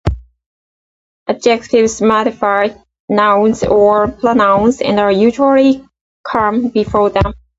Adjectives modify nouns or pronouns and usually come before them.